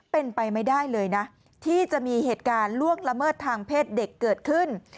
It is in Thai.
เป็นไปไม่ได้เลยนะที่จะมีเหตุการณ์ล่วงละเมิดทางเพศเด็กเกิดขึ้น